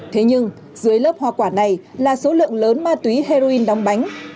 thế nhưng dưới lớp hoa quả này là số lượng lớn ma túy heroin đóng bánh